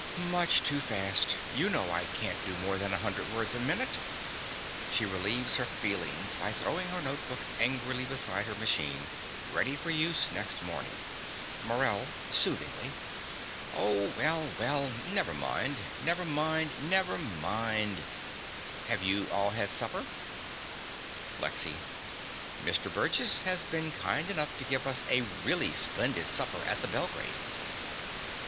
Much too fast. You know I can't do more than a hundred words a minute. (She relieves her feelings by throwing her note book angrily beside her machine, ready for use next morning.) MORELL (soothingly). Oh, well, well, never mind, never mind, never mind. Have you all had supper? LEXY. Mr. Burgess has been kind enough to give us a really splendid supper at the Belgrave.